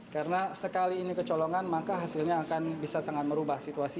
karena sekali ini kecolongan maka hasilnya akan bisa sangat merubah situasi